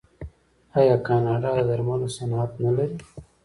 آیا کاناډا د درملو صنعت نلري؟